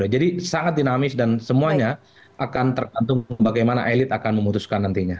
jadi sangat dinamis dan semuanya akan tergantung bagaimana elit akan memutuskan nantinya